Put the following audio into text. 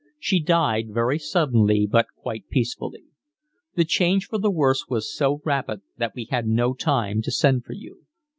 She died very suddenly, but quite peacefully. The change for the worse was so rapid that we had no time to send for you.